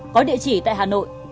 có địa chỉ tại hà nội